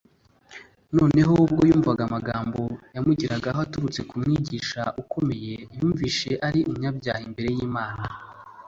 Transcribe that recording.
noneho ubwo yumvaga amagambo yamugeragaho aturutse ku mwigisha ukomeye, yumvise ari umunyabyaha imbere y’imana